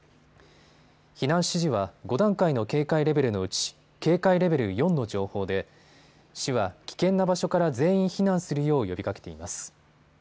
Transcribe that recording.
避難指示は５段階の警戒レベルのうち警戒レベル４の情報で市は危険な場所から全員避難するよう呼びかけています。